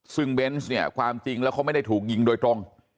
ซึ่งเบนส์เนี่ยความจริงแล้วเขาไม่ได้ถูกยิงโดยตรง